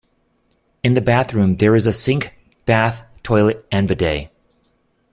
In the bathroom there is a sink, bath, toilet and bidet.